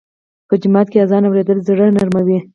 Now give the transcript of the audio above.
په جومات کې اذان اورېدل زړه نرموي.